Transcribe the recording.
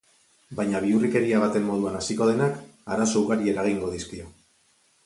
Baina bihurrikeria baten moduan hasiko denak arazo ugari eragingo dizkio.